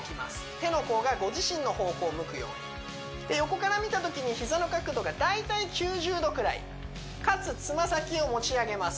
手の甲がご自身の方向を向くようにで横から見たときに膝の角度が大体９０度くらいかつ爪先を持ち上げます